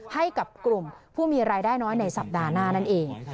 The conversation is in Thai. ให้กับกลุ่มผู้มีรายได้น้อยในสัปดาห์หน้านั่นเอง